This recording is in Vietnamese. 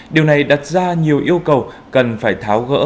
điều này đặt ra nhiều yêu cầu cần phải tháo gỡ